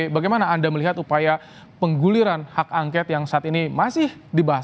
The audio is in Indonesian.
bagaimana anda melihat upaya pengguliran hak angket yang saat ini masih dibahas